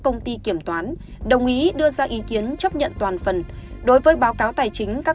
công ty kiểm toán đồng ý đưa ra ý kiến chấp nhận toàn phần đối với báo cáo tài chính các